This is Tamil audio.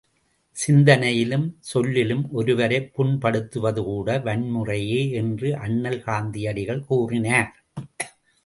சிந்தனையிலும் சொல்லிலும், ஒருவரைப் புண்படுத்துவது கூட வன்முறையே என்று அண்ணல் காந்தியடிகள் கூறினார்.